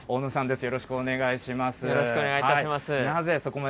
よろしくお願いします。